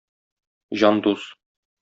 Җан дус